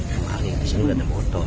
kemarin di sini ada motor